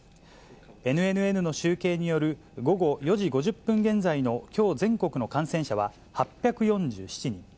ＮＮＮの集計による午後４時５０分現在のきょう全国の感染者は、８４７人。